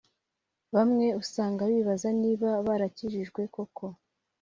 Bamwe usanga bibaza niba barakijijwe koko.